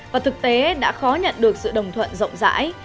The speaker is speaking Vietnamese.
và thực tế đã khó nhận được sự đồng thuận rộng rãi